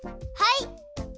はい！